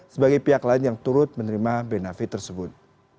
sebagai pihak lain yang turut menerima benefit tersebut